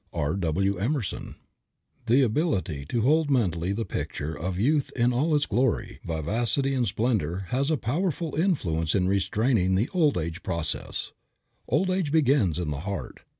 R. W. EMERSON. The ability to hold mentally the picture of youth in all its glory, vivacity and splendor has a powerful influence in restraining the old age processes. Old age begins in the heart.